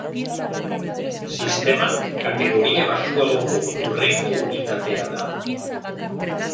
Sistema kategoria baxuagoko hurrengo unitatea da.